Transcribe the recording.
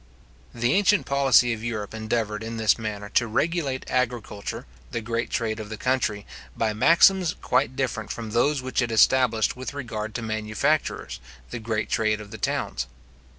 The ancient policy of Europe endeavoured, in this manner, to regulate agriculture, the great trade of the country, by maxims quite different from those which it established with regard to manufactures, the great trade of the towns.